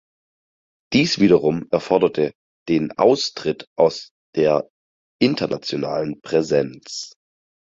Dies wiederum erforderte den Austritt aus der internationalen Präsenz.